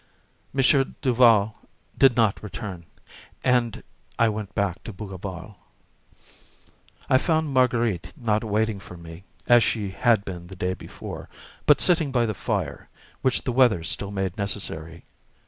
M. Duval did not return, and I went back to Bougival. I found Marguerite not waiting for me, as she had been the day before, but sitting by the fire, which the weather still made necessary.